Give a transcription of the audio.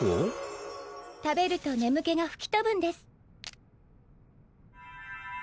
食べると眠気がふき飛ぶんです。